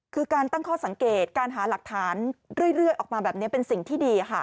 คือการตั้งข้อสังเกตการหาหลักฐานเรื่อยออกมาแบบนี้เป็นสิ่งที่ดี